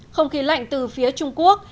không khí lạnh từ phía trung quốc